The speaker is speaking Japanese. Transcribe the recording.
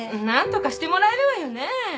何とかしてもらえるわよね